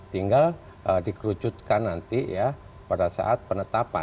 tinggal dikerucutkan nanti ya pada saat penetapan